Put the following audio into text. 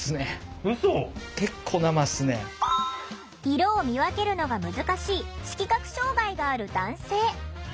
色を見分けるのが難しい色覚障害がある男性。